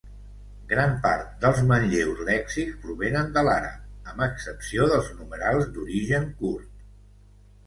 Gran part dels manlleus lèxics provenen de l'àrab, amb excepció dels numerals, d'origen kurd.